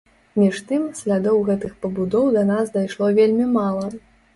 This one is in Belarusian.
Між тым, слядоў гэтых пабудоў да нас дайшло вельмі мала.